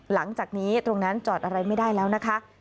หลังจากนี้ตรงนั้นจอดอะไรไม่ได้แล้วนะคะ